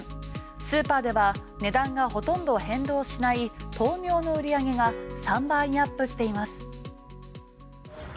スーパーでは値段がほとんど変動しない豆苗の売り上げが３倍アップしています。